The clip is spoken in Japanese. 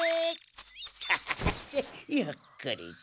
さてゆっくりと。